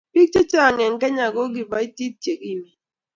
biik chechang eng kenya ko kabotit chekimen